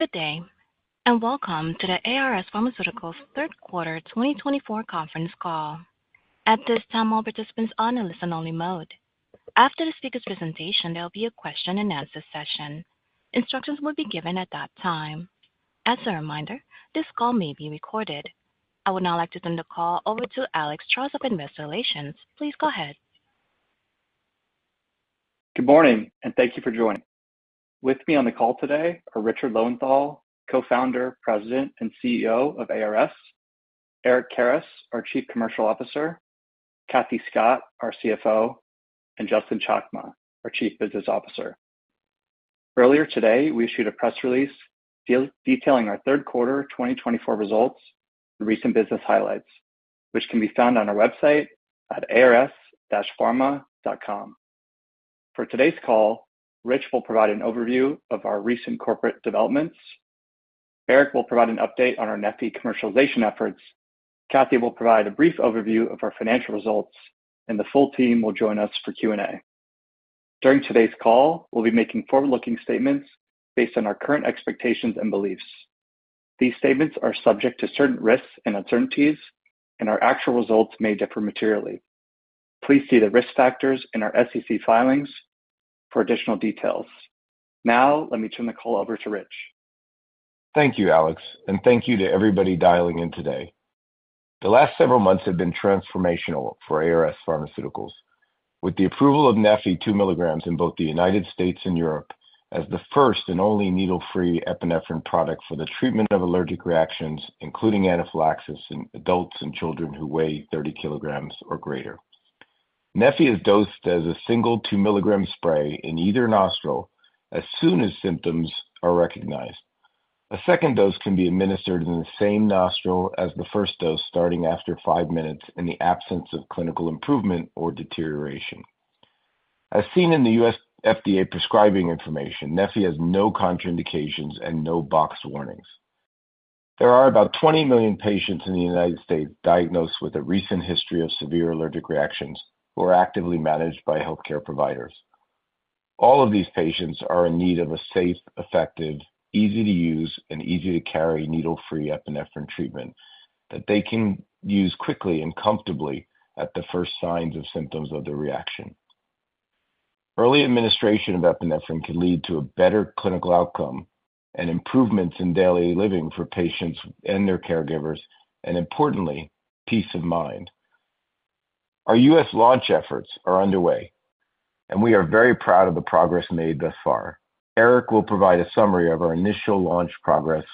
Good day, and welcome to the ARS Pharmaceuticals Q3 2024 Conference call. At this time, all participants are on a listen-only mode. After the speaker's presentation, there will be a question-and-answer session. Instructions will be given at that time. As a reminder, this call may be recorded. I would now like to turn the call over to Alex Charles of Investor Relations. Please go ahead. Good morning, and thank you for joining. With me on the call today are Richard Lowenthal, Co-founder, President, and CEO of ARS; Eric Karas, our Chief Commercial Officer; Kathleen Scott, our CFO; and Justin Chakma, our Chief Business Officer. Earlier today, we issued a press release detailing our Q3 2024 results and recent business highlights, which can be found on our website at ars-pharma.com. For today's call, Rich will provide an overview of our recent corporate developments, Eric will provide an update on our neffy commercialization efforts, Kathleen will provide a brief overview of our financial results, and the full team will join us for Q&A. During today's call, we'll be making forward-looking statements based on our current expectations and beliefs. These statements are subject to certain risks and uncertainties, and our actual results may differ materially. Please see the risk factors in our SEC filings for additional details. Now, let me turn the call over to Rich. Thank you, Alex, and thank you to everybody dialing in today. The last several months have been transformational for ARS Pharmaceuticals, with the approval of neffy 2 mg in both the United States and Europe as the first and only needle-free epinephrine product for the treatment of allergic reactions, including anaphylaxis in adults and children who weigh 30 kilograms or greater. neffy is dosed as a single 2 mg spray in either nostril as soon as symptoms are recognized. A second dose can be administered in the same nostril as the first dose, starting after five minutes in the absence of clinical improvement or deterioration. As seen in the U.S. FDA prescribing information, neffy has no contraindications and no boxed warnings. There are about 20 million patients in the United States diagnosed with a recent history of severe allergic reactions who are actively managed by healthcare providers. All of these patients are in need of a safe, effective, easy-to-use, and easy-to-carry needle-free epinephrine treatment that they can use quickly and comfortably at the first signs of symptoms of the reaction. Early administration of epinephrine can lead to a better clinical outcome and improvements in daily living for patients and their caregivers, and importantly, peace of mind. Our U.S. launch efforts are underway, and we are very proud of the progress made thus far. Eric will provide a summary of our initial launch progress,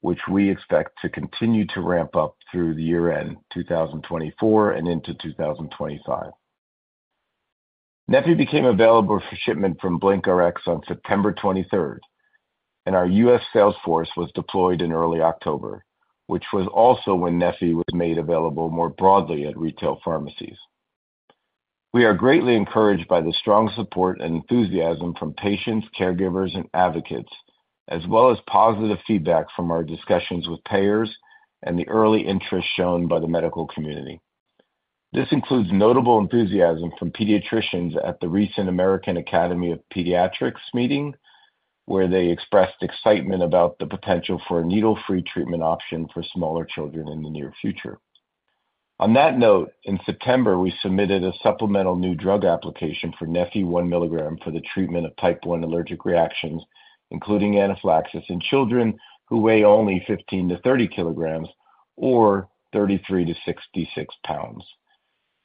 which we expect to continue to ramp up through the year-end 2024 and into 2025. neffy became available for shipment from BlinkRx on September 23rd, and our U.S. sales force was deployed in early October, which was also when neffy was made available more broadly at retail pharmacies. We are greatly encouraged by the strong support and enthusiasm from patients, caregivers, and advocates, as well as positive feedback from our discussions with payers and the early interest shown by the medical community. This includes notable enthusiasm from pediatricians at the recent American Academy of Pediatrics meeting, where they expressed excitement about the potential for a needle-free treatment option for smaller children in the near future. On that note, in September, we submitted a supplemental new drug application for neffy 1 mg for the treatment of Type I allergic reactions, including anaphylaxis in children who weigh only 15-30 kilograms or 33-66 pounds.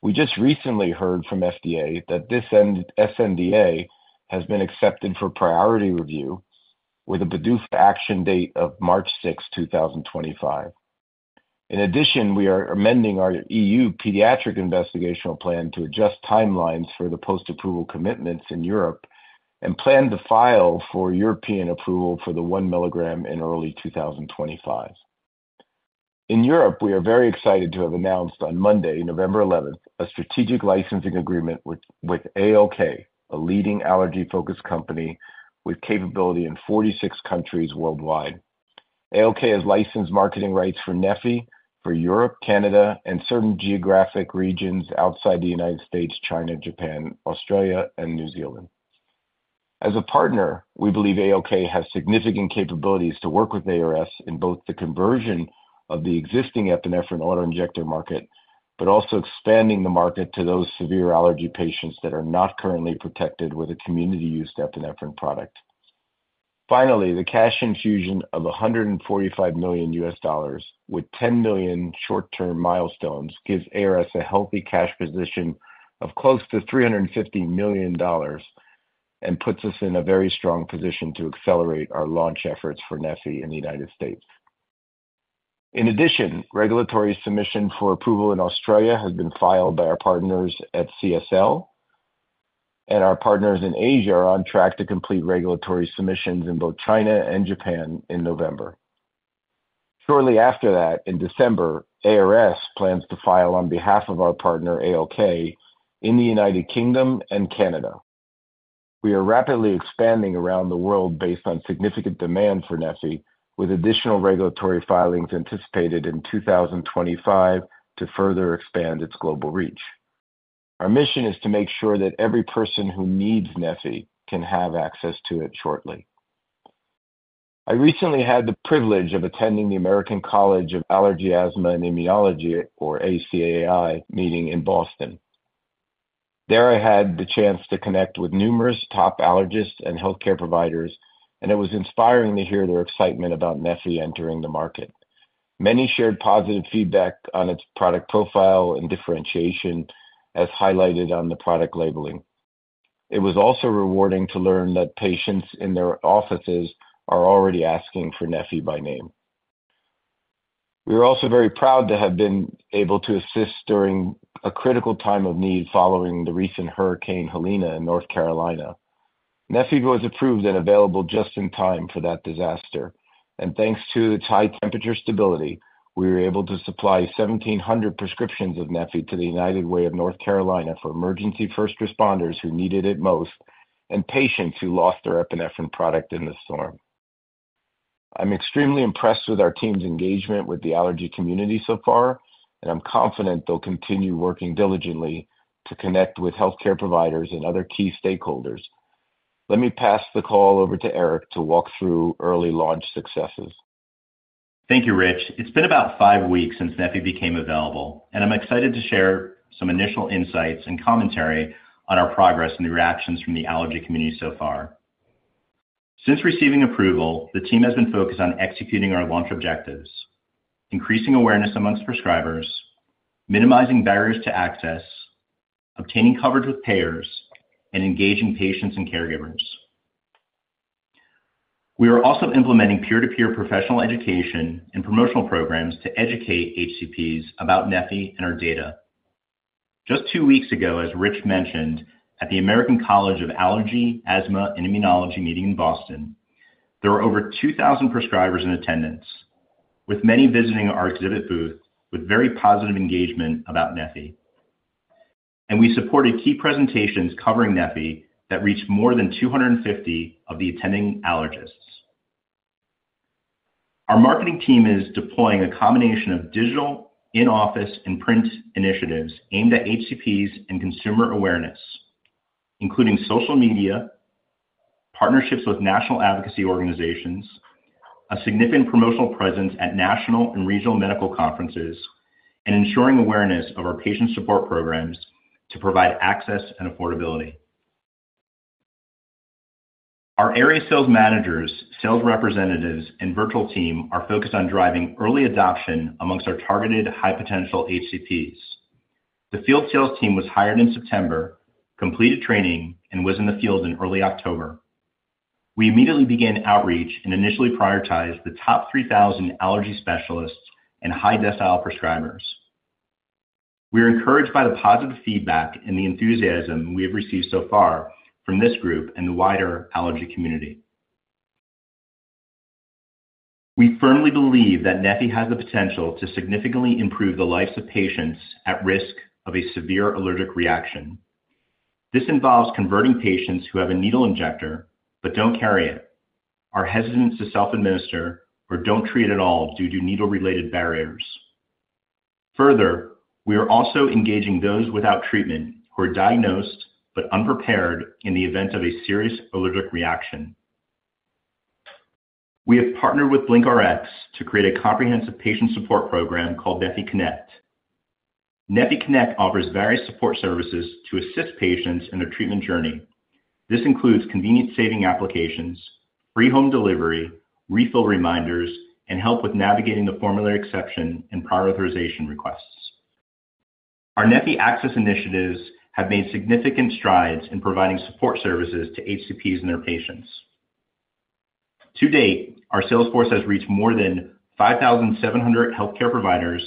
We just recently heard from the FDA that this sNDA has been accepted for priority review, with a projected action date of March 6, 2025. In addition, we are amending our E.U. pediatric investigational plan to adjust timelines for the post-approval commitments in Europe and plan to file for European approval for the 1 mg in early 2025. In Europe, we are very excited to have announced on Monday, November 11th, a strategic licensing agreement with ALK, a leading allergy-focused company with capability in 46 countries worldwide. ALK has licensed marketing rights for neffy for Europe, Canada, and certain geographic regions outside the United States, China, Japan, Australia, and New Zealand. As a partner, we believe ALK has significant capabilities to work with ARS in both the conversion of the existing epinephrine autoinjector market, but also expanding the market to those severe allergy patients that are not currently protected with a community-used epinephrine product. Finally, the cash infusion of $145 million with $10 million short-term milestones gives ARS a healthy cash position of close to $350 million and puts us in a very strong position to accelerate our launch efforts for neffy in the United States. In addition, regulatory submission for approval in Australia has been filed by our partners at CSL, and our partners in Asia are on track to complete regulatory submissions in both China and Japan in November. Shortly after that, in December, ARS plans to file on behalf of our partner ALK in the United Kingdom and Canada. We are rapidly expanding around the world based on significant demand for neffy, with additional regulatory filings anticipated in 2025 to further expand its global reach. Our mission is to make sure that every person who needs neffy can have access to it shortly. I recently had the privilege of attending the American College of Allergy, Asthma, and Immunology, or ACAAI, meeting in Boston. There, I had the chance to connect with numerous top allergists and healthcare providers, and it was inspiring to hear their excitement about neffy entering the market. Many shared positive feedback on its product profile and differentiation, as highlighted on the product labeling. It was also rewarding to learn that patients in their offices are already asking for neffy by name. We are also very proud to have been able to assist during a critical time of need following the recent hurricane Helene in North Carolina. neffy was approved and available just in time for that disaster, and thanks to its high temperature stability, we were able to supply 1,700 prescriptions of neffy to the United Way of North Carolina for emergency first responders who needed it most and patients who lost their epinephrine product in the storm. I'm extremely impressed with our team's engagement with the allergy community so far, and I'm confident they'll continue working diligently to connect with healthcare providers and other key stakeholders. Let me pass the call over to Eric to walk through early launch successes. Thank you, Rich. It's been about five weeks since neffy became available, and I'm excited to share some initial insights and commentary on our progress and the reactions from the allergy community so far. Since receiving approval, the team has been focused on executing our launch objectives: increasing awareness among prescribers, minimizing barriers to access, obtaining coverage with payers, and engaging patients and caregivers. We are also implementing peer-to-peer professional education and promotional programs to educate HCPs about neffy and our data. Just two weeks ago, as Rich mentioned, at the American College of Allergy, Asthma, and Immunology meeting in Boston, there were over 2,000 prescribers in attendance, with many visiting our exhibit booth with very positive engagement about neffy, and we supported key presentations covering neffy that reached more than 250 of the attending allergists. Our marketing team is deploying a combination of digital, in-office, and print initiatives aimed at HCPs and consumer awareness, including social media, partnerships with national advocacy organizations, a significant promotional presence at national and regional medical conferences, and ensuring awareness of our patient support programs to provide access and affordability. Our area sales managers, sales representatives, and virtual team are focused on driving early adoption among our targeted high-potential HCPs. The field sales team was hired in September, completed training, and was in the field in early October. We immediately began outreach and initially prioritized the top 3,000 allergy specialists and high-decile prescribers. We are encouraged by the positive feedback and the enthusiasm we have received so far from this group and the wider allergy community. We firmly believe that neffy has the potential to significantly improve the lives of patients at risk of a severe allergic reaction. This involves converting patients who have a needle injector but don't carry it, are hesitant to self-administer, or don't treat at all due to needle-related barriers. Further, we are also engaging those without treatment who are diagnosed but unprepared in the event of a serious allergic reaction. We have partnered with BlinkRx to create a comprehensive patient support program called neffyConnect. neffyConnect offers various support services to assist patients in their treatment journey. This includes convenient savings applications, free home delivery, refill reminders, and help with navigating the formulary exception and prior authorization requests. Our neffy access initiatives have made significant strides in providing support services to HCPs and their patients. To date, our sales force has reached more than 5,700 healthcare providers,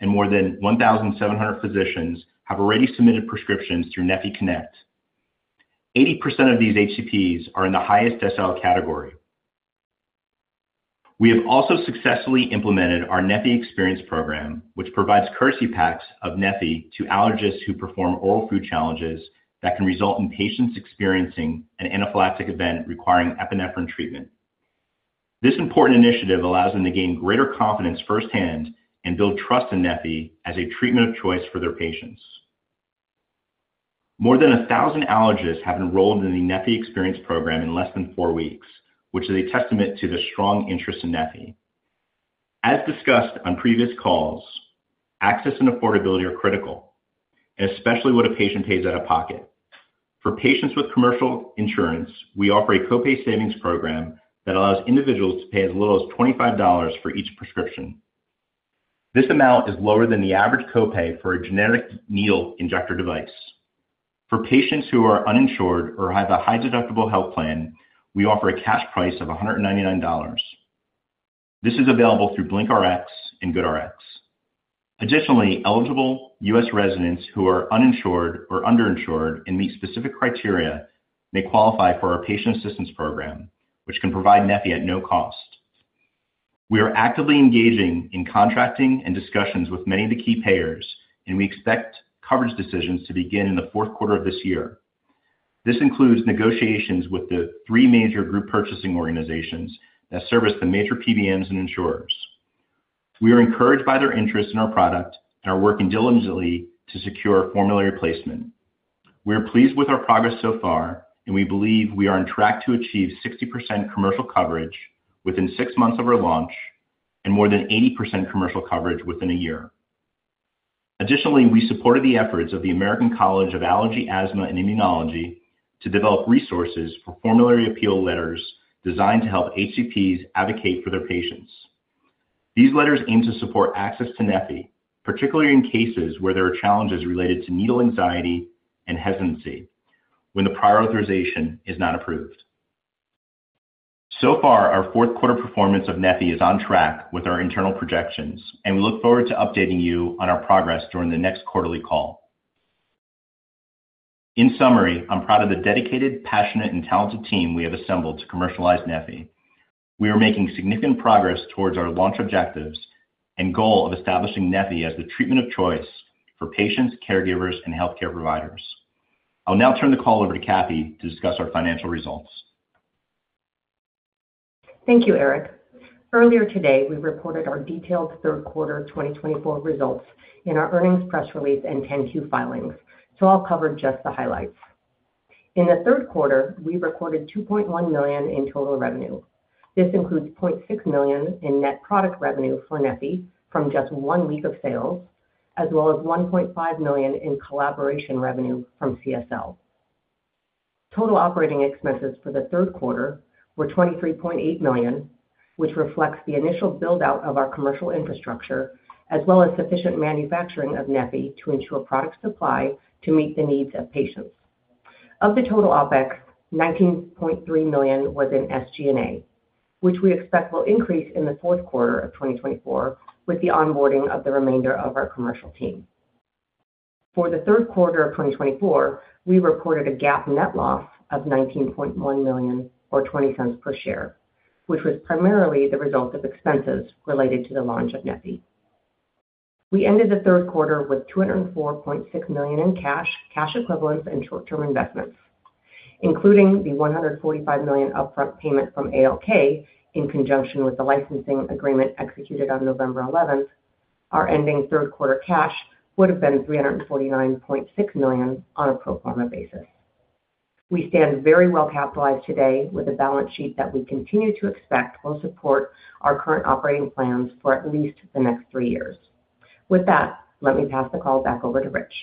and more than 1,700 physicians have already submitted prescriptions through neffyConnect. 80% of these HCPs are in the highest decile category. We have also successfully implemented our neffy Experience Program, which provides courtesy packs of neffy to allergists who perform oral food challenges that can result in patients experiencing an anaphylactic event requiring epinephrine treatment. This important initiative allows them to gain greater confidence firsthand and build trust in neffy as a treatment of choice for their patients. More than 1,000 allergists have enrolled in the neffy Experience Program in less than four weeks, which is a testament to their strong interest in neffy. As discussed on previous calls, access and affordability are critical, and especially what a patient pays out of pocket. For patients with commercial insurance, we offer a copay savings program that allows individuals to pay as little as $25 for each prescription. This amount is lower than the average copay for a generic needle injector device. For patients who are uninsured or have a high-deductible health plan, we offer a cash price of $199. This is available through BlinkRx and GoodRx. Additionally, eligible U.S. residents who are uninsured or underinsured and meet specific criteria may qualify for our patient assistance program, which can provide neffy at no cost. We are actively engaging in contracting and discussions with many of the key payers, and we expect coverage decisions to begin in the Q4 of this year. This includes negotiations with the three major group purchasing organizations that service the major PBMs and insurers. We are encouraged by their interest in our product and are working diligently to secure formulary placement. We are pleased with our progress so far, and we believe we are on track to achieve 60% commercial coverage within six months of our launch and more than 80% commercial coverage within a year. Additionally, we supported the efforts of the American College of Allergy, Asthma, and Immunology to develop resources for formulary appeal letters designed to help HCPs advocate for their patients. These letters aim to support access to neffy, particularly in cases where there are challenges related to needle anxiety and hesitancy when the prior authorization is not approved. So far, our Q4 performance of neffy is on track with our internal projections, and we look forward to updating you on our progress during the next quarterly call. In summary, I'm proud of the dedicated, passionate, and talented team we have assembled to commercialize neffy. We are making significant progress towards our launch objectives and goal of establishing neffy as the treatment of choice for patients, caregivers, and healthcare providers. I'll now turn the call over to Kathy to discuss our financial results. Thank you, Eric. Earlier today, we reported our detailed Q3 2024 results in our earnings press release and 10-Q filings, so I'll cover just the highlights. In the Q3, we recorded $2.1 million in total revenue. This includes $0.6 million in net product revenue for neffy from just one week of sales, as well as $1.5 million in collaboration revenue from CSL. Total operating expenses for the Q3 were $23.8 million, which reflects the initial buildout of our commercial infrastructure, as well as sufficient manufacturing of neffy to ensure product supply to meet the needs of patients. Of the total OpEx, $19.3 million was in SG&A, which we expect will increase in the Q4 of 2024 with the onboarding of the remainder of our commercial team. For the Q3 of 2024, we reported a GAAP net loss of $19.1 million, or $0.20 per share, which was primarily the result of expenses related to the launch of neffy. We ended the Q3 with $204.6 million in cash, cash equivalents, and short-term investments, including the $145 million upfront payment from ALK in conjunction with the licensing agreement executed on November 11th. Our ending Q3 cash would have been $349.6 million on a pro forma basis. We stand very well capitalized today with a balance sheet that we continue to expect will support our current operating plans for at least the next three years. With that, let me pass the call back over to Rich.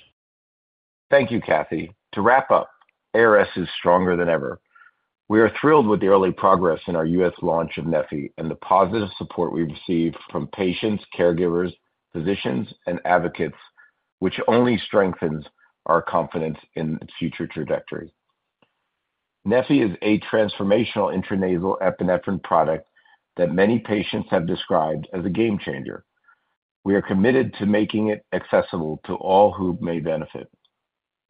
Thank you, Kathy. To wrap up, ARS is stronger than ever. We are thrilled with the early progress in our U.S. launch of neffy and the positive support we've received from patients, caregivers, physicians, and advocates, which only strengthens our confidence in its future trajectory. neffy is a transformational intranasal epinephrine product that many patients have described as a game changer. We are committed to making it accessible to all who may benefit.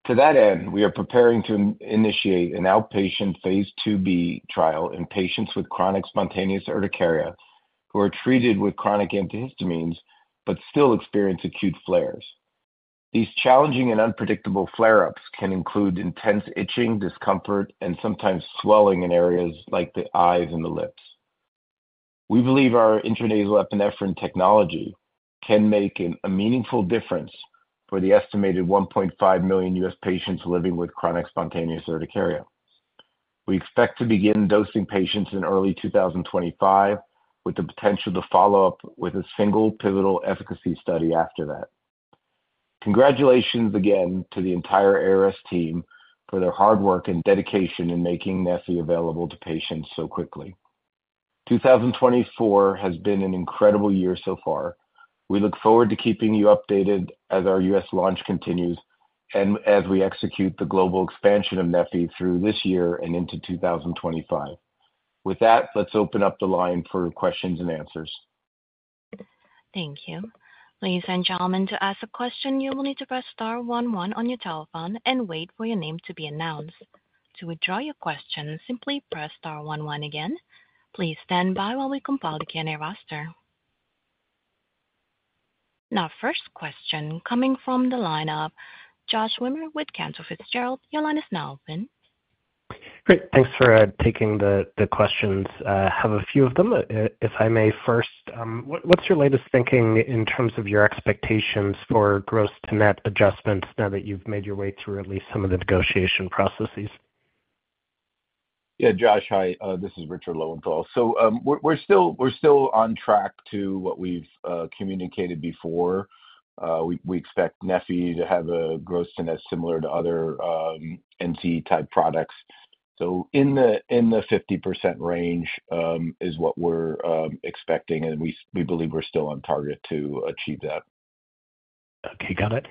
To that end, we are preparing to initiate an outpatient Phase 2b trial in patients with chronic spontaneous urticaria who are treated with chronic antihistamines but still experience acute flares. These challenging and unpredictable flare-ups can include intense itching, discomfort, and sometimes swelling in areas like the eyes and the lips. We believe our intranasal epinephrine technology can make a meaningful difference for the estimated 1.5 million U.S. patients living with chronic spontaneous urticaria. We expect to begin dosing patients in early 2025, with the potential to follow up with a single pivotal efficacy study after that. Congratulations again to the entire ARS team for their hard work and dedication in making neffy available to patients so quickly. 2024 has been an incredible year so far. We look forward to keeping you updated as our U.S. launch continues and as we execute the global expansion of neffy through this year and into 2025. With that, let's open up the line for questions and answers. Thank you. Ladies and gentlemen, to ask a question, you will need to press star 11 on your telephone and wait for your name to be announced. To withdraw your question, simply press star 11 again. Please stand by while we compile the Q&A roster. Now, first question coming from the line of Josh Schimmer with Cantor Fitzgerald, Your line is now open. Great. Thanks for taking the questions. I have a few of them, if I may first. What's your latest thinking in terms of your expectations for gross-to-net adjustments now that you've made your way through at least some of the negotiation processes? Yeah, Josh, hi. This is Richard Lowenthal, so we're still on track to what we've communicated before. We expect neffy to have a gross-to-net similar to other NCE-type products, so in the 50% range is what we're expecting, and we believe we're still on target to achieve that. Okay, got it.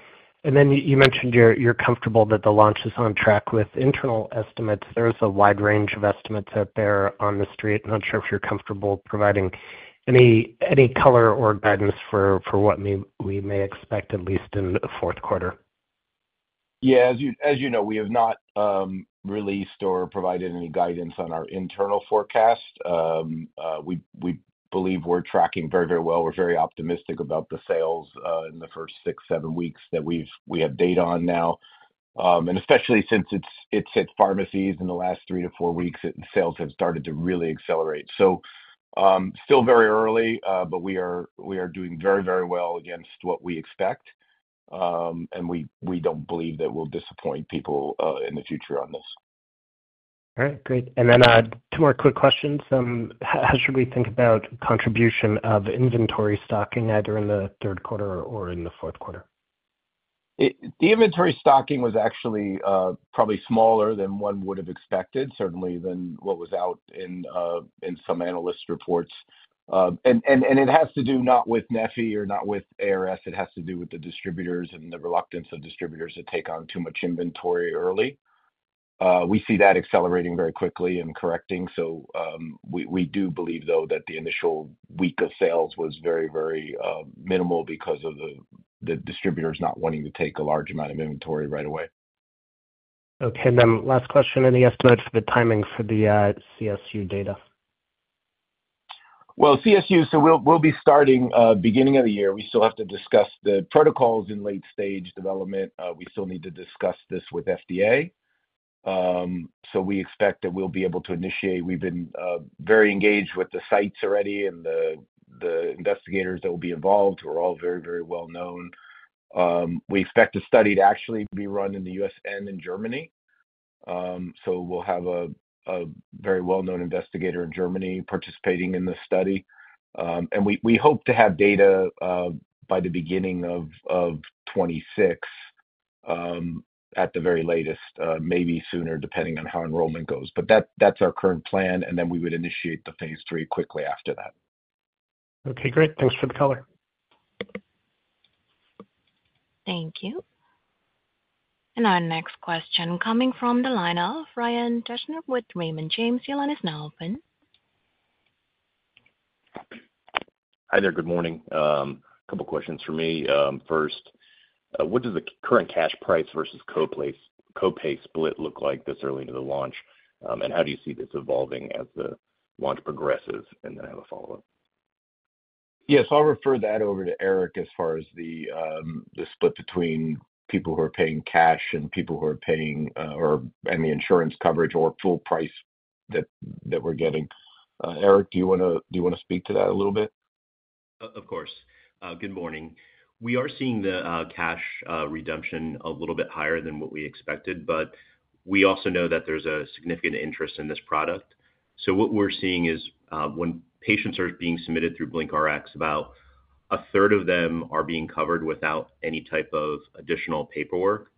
And then you mentioned you're comfortable that the launch is on track with internal estimates. There is a wide range of estimates out there on the street. Not sure if you're comfortable providing any color or guidance for what we may expect, at least in the Q4? Yeah, as you know, we have not released or provided any guidance on our internal forecast. We believe we're tracking very, very well. We're very optimistic about the sales in the first six, seven weeks that we have data on now, and especially since it's at pharmacies in the last three to four weeks, sales have started to really accelerate, so still very early, but we are doing very, very well against what we expect, and we don't believe that we'll disappoint people in the future on this. All right, great. And then two more quick questions. How should we think about contribution of inventory stocking either in the Q3 or in the Q4? The inventory stocking was actually probably smaller than one would have expected, certainly than what was out in some analyst reports. And it has to do not with neffy or not with ARS. It has to do with the distributors and the reluctance of distributors to take on too much inventory early. We see that accelerating very quickly and correcting. So we do believe, though, that the initial week of sales was very, very minimal because of the distributors not wanting to take a large amount of inventory right away. Okay, and then last question, any estimates for the timing for the CSU data? Well, CSU, so we'll be starting beginning of the year. We still have to discuss the protocols in late-stage development. We still need to discuss this with FDA. So we expect that we'll be able to initiate. We've been very engaged with the sites already and the investigators that will be involved who are all very, very well known. We expect the study to actually be run in the U.S. and in Germany. So we'll have a very well-known investigator in Germany participating in the study. And we hope to have data by the beginning of 2026 at the very latest, maybe sooner, depending on how enrollment goes. But that's our current plan, and then we would initiate the Phase 3 quickly after that. Okay, great. Thanks for the color. Thank you. And our next question coming from the line of Ryan Deschner with Raymond James, Your line is now open. Hi there. Good morning. A couple of questions for me. First, what does the current cash price versus copay split look like this early into the launch? And how do you see this evolving as the launch progresses? And then I have a follow-up. Yeah, so I'll refer that over to Eric as far as the split between people who are paying cash and people who are paying and the insurance coverage or full price that we're getting. Eric, do you want to speak to that a little bit? Of course. Good morning. We are seeing the cash redemption a little bit higher than what we expected, but we also know that there's a significant interest in this product. So what we're seeing is when patients are being submitted through BlinkRx, about a third of them are being covered without any type of additional paperwork.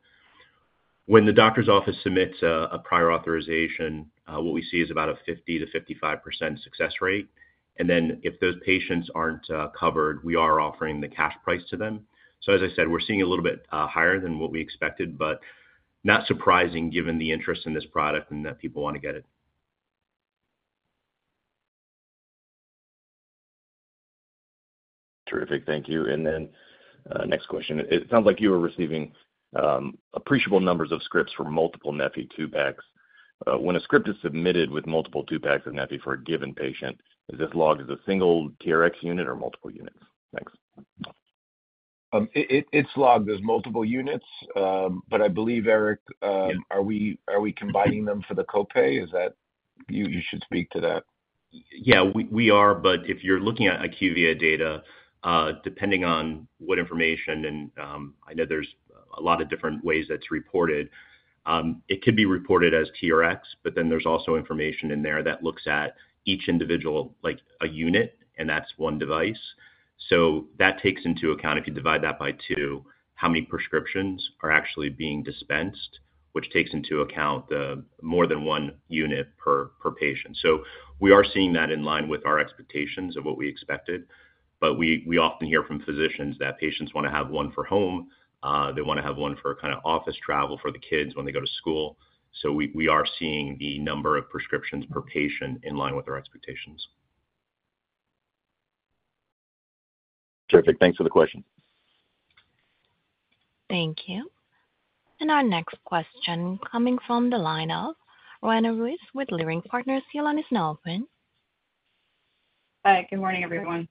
When the doctor's office submits a prior authorization, what we see is about a 50%-55% success rate. And then if those patients aren't covered, we are offering the cash price to them. So as I said, we're seeing a little bit higher than what we expected, but not surprising given the interest in this product and that people want to get it. Terrific. Thank you. And then next question. It sounds like you are receiving appreciable numbers of scripts for multiple neffy two-packs. When a script is submitted with multiple two-packs of neffy for a given patient, is this logged as a single TRx unit or multiple units? Thanks. It's logged as multiple units, but I believe, Eric, are we combining them for the copay? You should speak to that. Yeah, we are, but if you're looking at IQVIA data, depending on what information and I know there's a lot of different ways that's reported, it could be reported as TRx, but then there's also information in there that looks at each individual like a unit, and that's one device. So that takes into account, if you divide that by two, how many prescriptions are actually being dispensed, which takes into account more than one unit per patient. So we are seeing that in line with our expectations of what we expected. But we often hear from physicians that patients want to have one for home. They want to have one for kind of office travel for the kids when they go to school. So we are seeing the number of prescriptions per patient in line with our expectations. Terrific. Thanks for the question. Thank you. And our next question coming from the line of Roanna Ruiz with Leerink Partners, Your line is now open. Hi, good morning, everyone.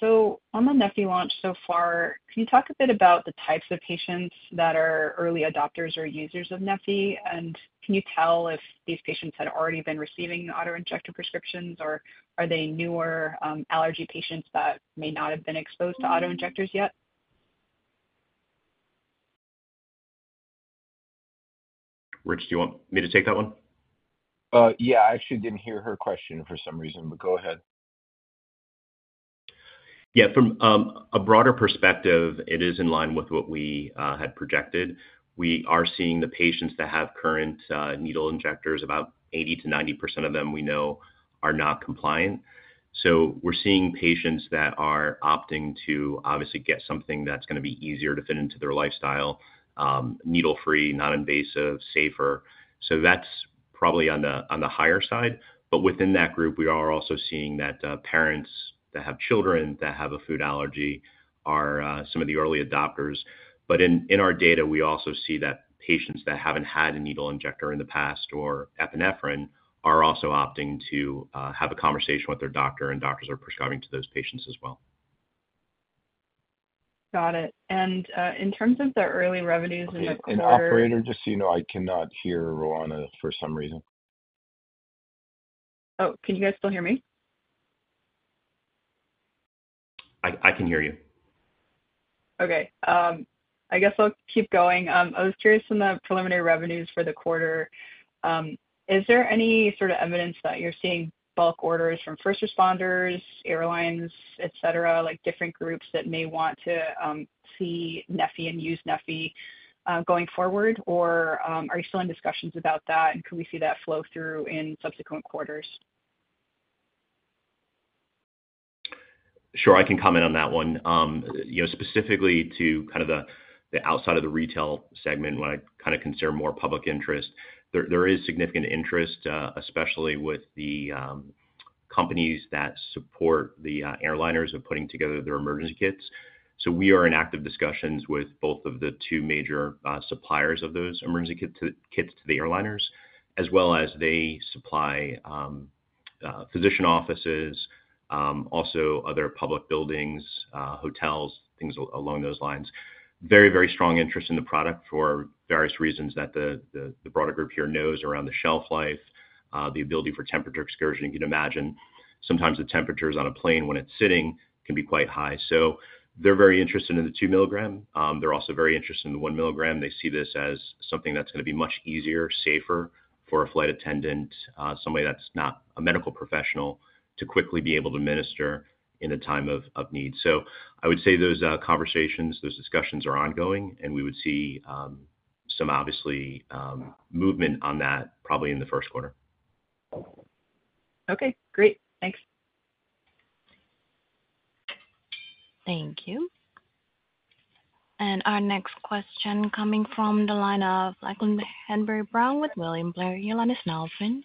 So on the neffy launch so far, can you talk a bit about the types of patients that are early adopters or users of neffy? And can you tell if these patients had already been receiving autoinjector prescriptions, or are they newer allergy patients that may not have been exposed to autoinjectors yet? Rich, do you want me to take that one? Yeah, I actually didn't hear her question for some reason, but go ahead. Yeah, from a broader perspective, it is in line with what we had projected. We are seeing the patients that have current needle injectors, about 80%-90% of them we know, are not compliant. So we're seeing patients that are opting to obviously get something that's going to be easier to fit into their lifestyle: needle-free, non-invasive, safer. So that's probably on the higher side. But within that group, we are also seeing that parents that have children that have a food allergy are some of the early adopters. But in our data, we also see that patients that haven't had a needle injector in the past or epinephrine are also opting to have a conversation with their doctor, and doctors are prescribing to those patients as well. Got it, and in terms of the early revenues in the quarter. Hey, operator, just so you know, I cannot hear Roanna for some reason. Oh, can you guys still hear me? I can hear you. Okay. I guess I'll keep going. I was curious on the preliminary revenues for the quarter. Is there any sort of evidence that you're seeing bulk orders from first responders, airlines, etc., like different groups that may want to see neffy and use neffy going forward? Or are you still in discussions about that, and can we see that flow through in subsequent quarters? Sure, I can comment on that one. Specifically to kind of the outside of the retail segment, when I kind of consider more public interest, there is significant interest, especially with the companies that support the airlines of putting together their emergency kits. So we are in active discussions with both of the two major suppliers of those emergency kits to the airlines, as well as they supply physician offices, also other public buildings, hotels, things along those lines. Very, very strong interest in the product for various reasons that the broader group here knows around the shelf life, the ability for temperature excursion. You can imagine sometimes the temperatures on a plane when it's sitting can be quite high. So they're very interested in the two milligram. They're also very interested in the one milligram. They see this as something that's going to be much easier, safer for a flight attendant, somebody that's not a medical professional, to quickly be able to administer in a time of need. So I would say those conversations, those discussions are ongoing, and we would see some obviously movement on that probably in the Q1. Okay, great. Thanks. Thank you. And our next question coming from the line of Lachlan Hanbury-Brown with William Blair, Your line is now open.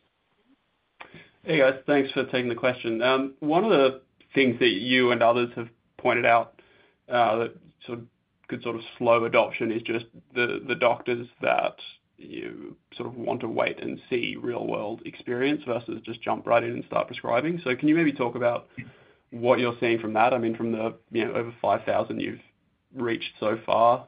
Hey, guys. Thanks for taking the question. One of the things that you and others have pointed out that could sort of slow adoption is just the doctors that sort of want to wait and see real-world experience versus just jump right in and start prescribing. So can you maybe talk about what you're seeing from that? I mean, from the over 5,000 you've reached so far,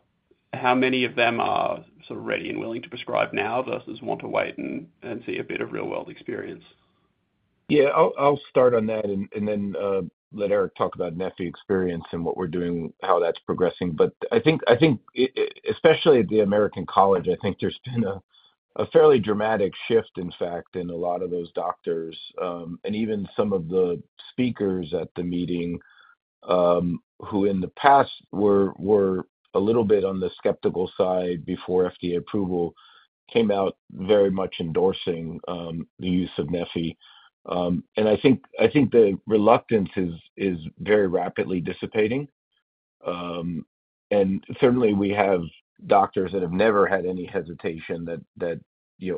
how many of them are sort of ready and willing to prescribe now versus want to wait and see a bit of real-world experience? Yeah, I'll start on that and then let Eric talk about neffy experience and what we're doing, how that's progressing, but I think especially at the American College, I think there's been a fairly dramatic shift, in fact, in a lot of those doctors, and even some of the speakers at the meeting who in the past were a little bit on the skeptical side before FDA approval came out very much endorsing the use of neffy, and I think the reluctance is very rapidly dissipating, and certainly, we have doctors that have never had any hesitation, that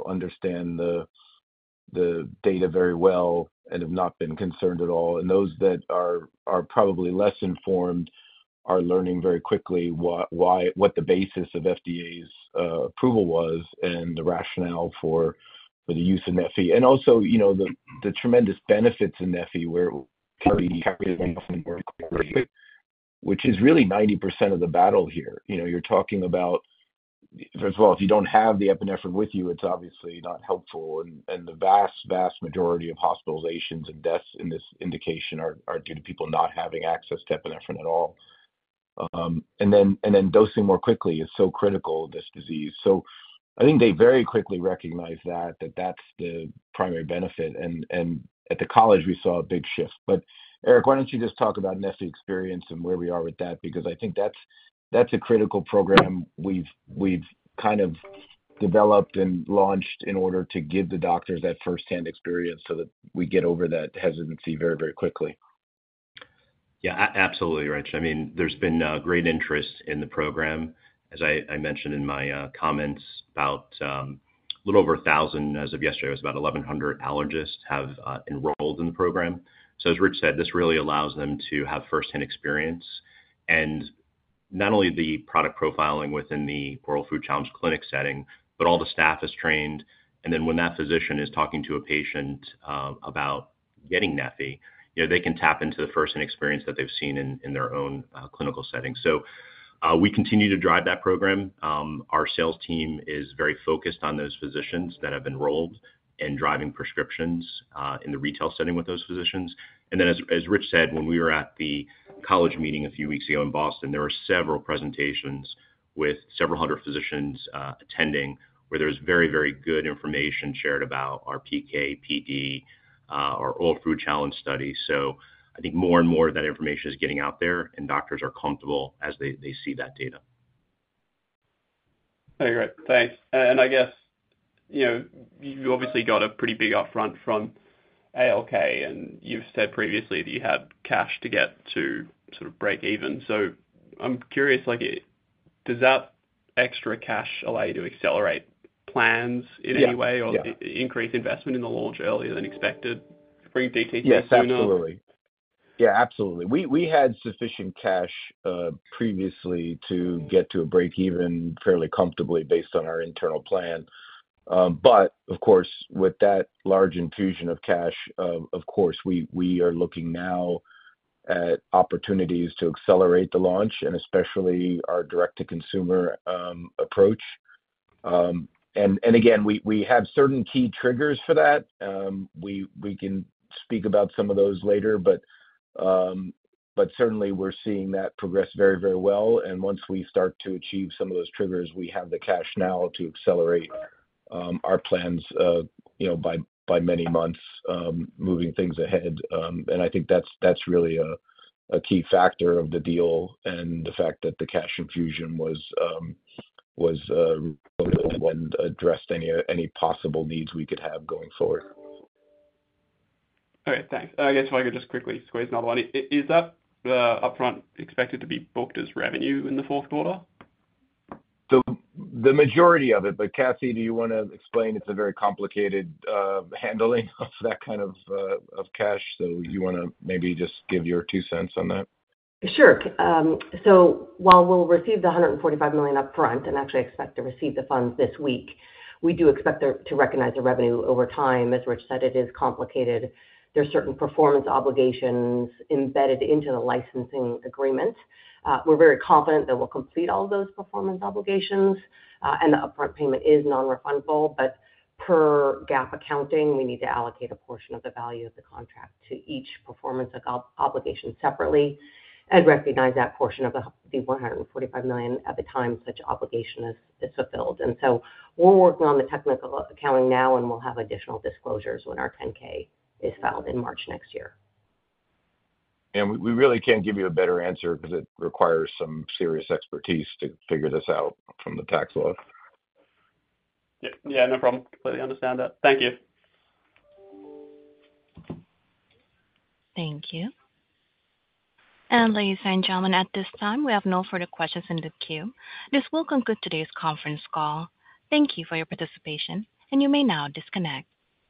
understand the data very well and have not been concerned at all, and those that are probably less informed are learning very quickly what the basis of FDA's approval was and the rationale for the use of neffy. And also the tremendous benefits in neffy where it can be carried out more quickly, which is really 90% of the battle here. You're talking about, first of all, if you don't have the epinephrine with you, it's obviously not helpful. And the vast, vast majority of hospitalizations and deaths in this indication are due to people not having access to epinephrine at all. And then dosing more quickly is so critical in this disease. So I think they very quickly recognize that that's the primary benefit. And at the college, we saw a big shift. But Eric, why don't you just talk about neffy experience and where we are with that? Because I think that's a critical program we've kind of developed and launched in order to give the doctors that firsthand experience so that we get over that hesitancy very, very quickly. Yeah, absolutely, Rich. I mean, there's been great interest in the program. As I mentioned in my comments about a little over 1,000, as of yesterday, it was about 1,100 allergists have enrolled in the program. So as Rich said, this really allows them to have firsthand experience. And not only the product profiling within the oral food challenge clinic setting, but all the staff is trained. And then when that physician is talking to a patient about getting neffy, they can tap into the firsthand experience that they've seen in their own clinical setting. So we continue to drive that program. Our sales team is very focused on those physicians that have enrolled and driving prescriptions in the retail setting with those physicians. And then as Rich said, when we were at the college meeting a few weeks ago in Boston, there were several presentations with several hundred physicians attending where there was very, very good information shared about our PK, PD, our Oral Food Challenge study. So I think more and more of that information is getting out there, and doctors are comfortable as they see that data. Hey, Rich. Thanks, and I guess you obviously got a pretty big upfront from ALK, and you've said previously that you had cash to get to sort of break even, so I'm curious, does that extra cash allow you to accelerate plans in any way or increase investment in the launch earlier than expected, bring DTC sooner? Yes, absolutely. Yeah, absolutely. We had sufficient cash previously to get to a break even fairly comfortably based on our internal plan, but of course, with that large infusion of cash, of course, we are looking now at opportunities to accelerate the launch and especially our direct-to-consumer approach, and again, we have certain key triggers for that. We can speak about some of those later, but certainly we're seeing that progress very, very well, and once we start to achieve some of those triggers, we have the cash now to accelerate our plans by many months, moving things ahead, and I think that's really a key factor of the deal and the fact that the cash infusion was really addressed any possible needs we could have going forward. All right. Thanks. I guess if I could just quickly squeeze another one. Is that upfront expected to be booked as revenue in the Q4? The majority of it, but Kathy, do you want to explain? It's a very complicated handling of that kind of cash, so you want to maybe just give your two cents on that? Sure. So while we'll receive the $145 million upfront and actually expect to receive the funds this week, we do expect to recognize the revenue over time. As Rich said, it is complicated. There are certain performance obligations embedded into the licensing agreement. We're very confident that we'll complete all of those performance obligations, and the upfront payment is non-refundable. But per GAAP accounting, we need to allocate a portion of the value of the contract to each performance obligation separately and recognize that portion of the $145 million at the time such obligation is fulfilled. And so we're working on the technical accounting now, and we'll have additional disclosures when our 10-K is filed in March next year. And we really can't give you a better answer because it requires some serious expertise to figure this out from the tax law. Yeah, no problem. Completely understand that. Thank you. Thank you. And ladies and gentlemen, at this time, we have no further questions in the queue. This will conclude today's conference call. Thank you for your participation, and you may now disconnect.